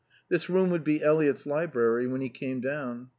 This room would be Eliot's library when he came down.